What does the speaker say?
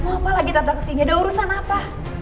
mau apa lagi tante kesini ada urusan apa